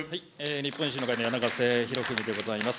日本維新の会の柳ヶ瀬裕文でございます。